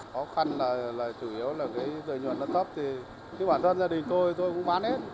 khó khăn là chủ yếu là cái tài nguyện nó thấp thì bản thân gia đình tôi cũng bán hết